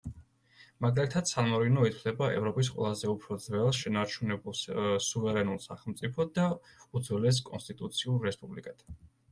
მაგალითად, სან-მარინო ითვლება ევროპის ყველაზე უფრო ძველ შენარჩუნებულ სუვერენულ სახელმწიფოდ და უძველეს კონსტიტუციურ რესპუბლიკად.